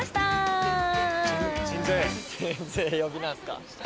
鎮西呼びなんすか？